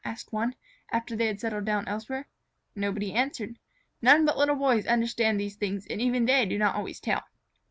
asked one, after they had settled down elsewhere. Nobody answered. None but Little Boys understand these things, and even they do not always tell.